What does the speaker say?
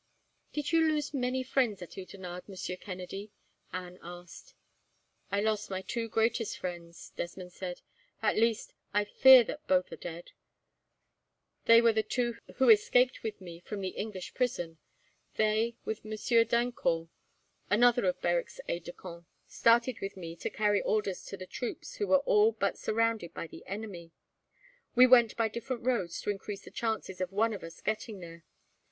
"Did you lose many friends at Oudenarde, Monsieur Kennedy?" Anne asked. "I lost my two greatest friends," Desmond said. "At least, I fear that both are dead. They were the two who escaped with me from the English prison. They, with Monsieur d'Eyncourt, another of Berwick's aides de camp, started with me to carry orders to the troops, who were all but surrounded by the enemy. We went by different roads, to increase the chances of one of us getting there.